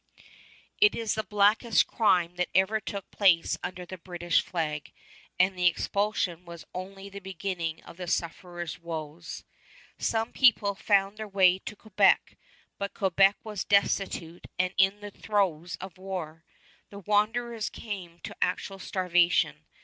It is the blackest crime that ever took place under the British flag, and the expulsion was only the beginning of the sufferers' woes. Some people found their way to Quebec, but Quebec was destitute and in the throes of war. The wanderers came to actual starvation.